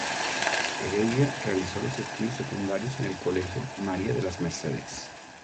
Heredia realizó los estudios secundarios en el Colegio María de las Mercedes.